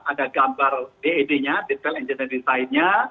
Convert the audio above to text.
ada gambar ded nya detail engineering design nya